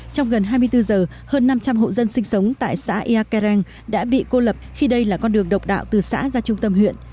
trong gần hai mươi bốn giờ hơn năm trăm linh hộ dân sinh sống tại xã ia kareng đã bị cô lập khi đây là con đường độc đạo từ xã ra trung tâm huyện